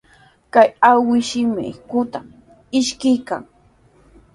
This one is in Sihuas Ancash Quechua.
Kay awkishmi qutraman ishkirqan.